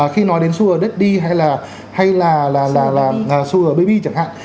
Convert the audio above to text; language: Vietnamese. khi nói đến sugar daddy hay là sugar baby chẳng hạn